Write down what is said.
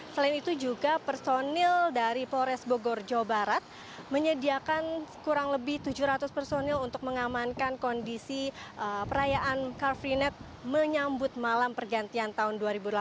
selain itu juga personil dari polres bogor jawa barat menyediakan kurang lebih tujuh ratus personil untuk mengamankan kondisi perayaan car free night menyambut malam pergantian tahun dua ribu delapan belas